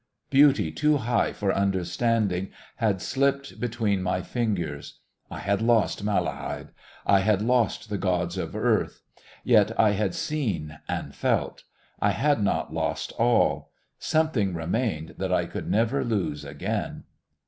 Beauty too high for understanding had slipped between my fingers. I had lost Malahide. I had lost the gods of Earth.... Yet I had seen ... and felt. I had not lost all. Something remained that I could never lose again....